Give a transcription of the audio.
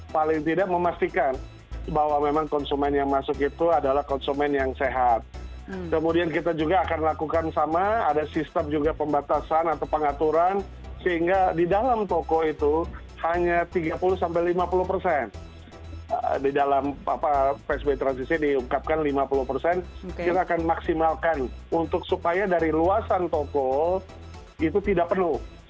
paling tidak memastikan bahwa memang konsumen yang masuk itu adalah konsumen yang sehat kemudian kita juga akan lakukan sama ada sistem juga pembatasan atau pengaturan sehingga di dalam toko itu hanya tiga puluh sampai lima puluh persen di dalam apa facebook transisi diungkapkan lima puluh persen kita akan maksimalkan untuk supaya dari luasan toko itu tidak penuh